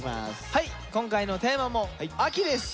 はい今回のテーマも「秋」です。